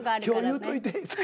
今日言うといて。